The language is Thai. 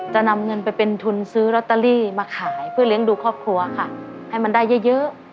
จะนำเงินไปเป็นทุนซื้อลอตเตอรี่มาขายเพื่อเลี้ยงดูครอบครัวค่ะให้มันได้เยอะ